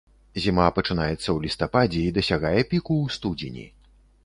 Зіма пачынаецца ў лістападзе і дасягае піку ў студзені.